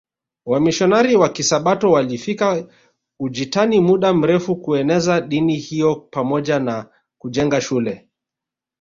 Wamisionari wa Kisabato walifika Ujitani muda mrefu kueneza dini hiyo pamoja na kujenga shule